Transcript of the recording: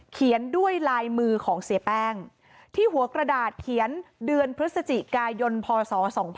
เขียนด้วยลายมือของเสียแป้งที่หัวกระดาษเขียนเดือนพฤศจิกายนพศ๒๕๖๒